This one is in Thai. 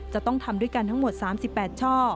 จะต้องทำด้วยกันทั้งหมด๓๘ช่อ